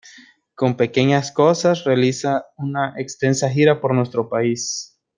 Con Pequeñas Cosas realiza una extensa gira por nuestro país.